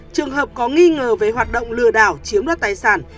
trường hợp có nghi ngờ về hoạt động lừa đảo chiếm đoạt tài sản